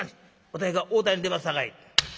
私が応対に出ますさかいに。